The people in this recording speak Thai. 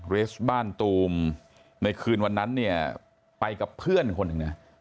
เรสบ้านตูมในคืนวันนั้นเนี่ยไปกับเพื่อนคนหนึ่งนะ